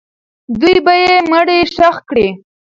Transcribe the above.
دوی به یې مړی ښخ کړي.